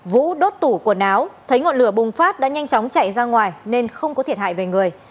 vũ đốt tủ quần áo thấy ngọn lửa bùng phát đã nhanh chóng chạy ra ngoài nên không có thiệt hại về người